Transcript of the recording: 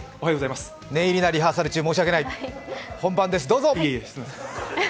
念入りなリハーサル中申し訳ない、本番中です、どうぞ！